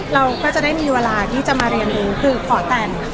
เราก็จะได้มีเวลาที่จะมาเรียนคือขอแต่ง